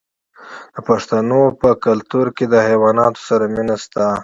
د پښتنو په کلتور کې د حیواناتو سره مینه شته.